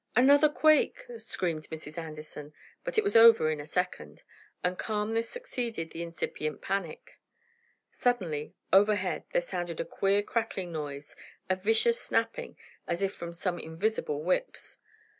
"Another quake!" screamed Mrs. Anderson. But it was over in a second, and calmness succeeded the incipient panic. Suddenly, overhead, there sounded a queer crackling noise, a vicious, snapping, as if from some invisible whips.